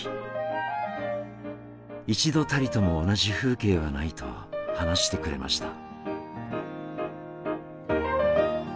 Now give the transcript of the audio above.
一度たりとも同じ風景はないと話してくれました。